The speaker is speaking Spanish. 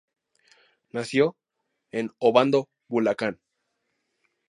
Nació en Obando, Bulacán.